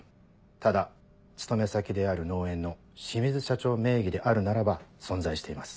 ただ勤め先である農園の清水社長名義であるならば存在しています。